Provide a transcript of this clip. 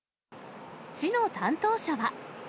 市の担当者は。